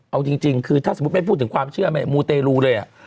เอาจริงคือถ้าสมมุติไม่พูดถึงความเชื่อมูเตรลูเลย